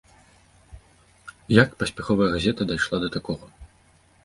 Як паспяховая газета дайшла да такога?